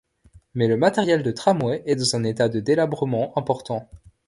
Mais le matériel de tramway est dans un état de délabrement important.